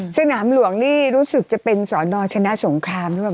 สนามหลวงนี่รู้สึกจะเป็นสอนอชนะสงครามหรือเปล่า